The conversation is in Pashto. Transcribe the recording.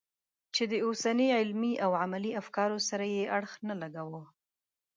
چې د اوسني علمي او عملي افکارو سره یې اړخ نه لګاوه.